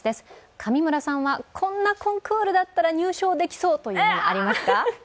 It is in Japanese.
上村さんはこんなコンクールだったら入賞できそうというのはありますか？